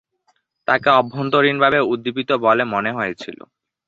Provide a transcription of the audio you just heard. তাকে অভ্যন্তরীণভাবে উদ্দীপিত বলে মনে হয়েছিল।